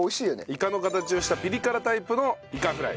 イカの形をしたピリ辛タイプのいかフライ。